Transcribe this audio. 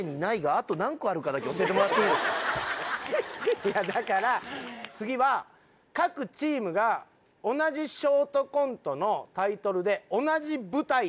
いやだから次は各チームが同じショートコントのタイトルで同じ舞台で。